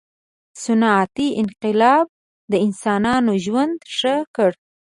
• صنعتي انقلاب د انسانانو ژوند ښه کړ.